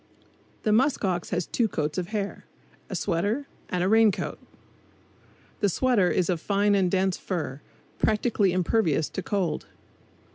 The musk ox has two coats of hair a sweater and a rain coat. The sweater is of fine and dense fur, practically impervious to cold.